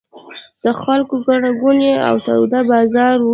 د خلکو ګڼه ګوڼې او تود بازار و.